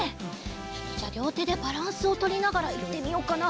ちょっとじゃありょうてでバランスをとりながらいってみようかな。